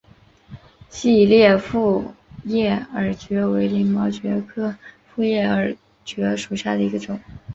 细裂复叶耳蕨为鳞毛蕨科复叶耳蕨属下的一个种。